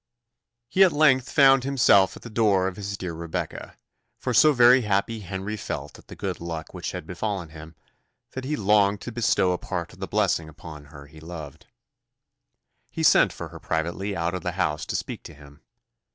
He at length found himself at the door of his dear Rebecca for so very happy Henry felt at the good luck which had befallen him, that he longed to bestow a part of the blessing upon her he loved. He sent for her privately out of the house to speak to him.